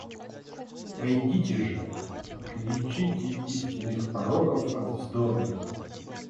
Пойдите же, отличите истинных пророков от вздорных.